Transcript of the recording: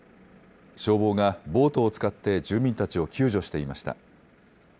消防がボートを使って住民たちを救助していました。